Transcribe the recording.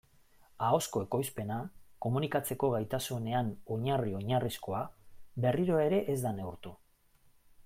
Ahozko ekoizpena, komunikatzeko gaitasunean oinarri-oinarrizkoa, berriro ere ez da neurtu.